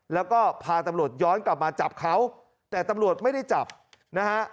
แล้วก็พาตำรวจย้อนกลับมาจับเขาแต่ตำรวจไม่ได้จับนะฮะ